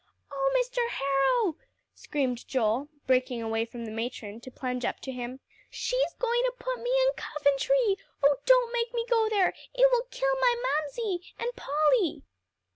"Oh Mr. Harrow," screamed Joel, breaking away from the matron, to plunge up to him, "she's going to put me into Coventry. Oh, don't make me go there; it will kill my Mamsie, and Polly."